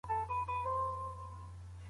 د بل هیواد لیدل ګټور دي.